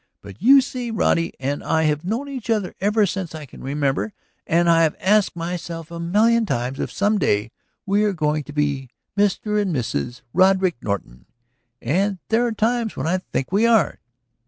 But you see, Roddy and I have known each other ever since before I can remember, and I have asked myself a million times if some day we are going to be Mr. and Mrs. Roderick Norton ... and there are times when I think we are!"